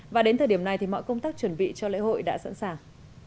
và đến thời điểm này thì mọi công tác chuẩn bị cho lễ hội đã sẵn sàng